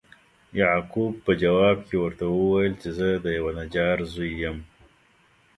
یعقوب په جواب کې ورته وویل چې زه د یوه نجار زوی یم.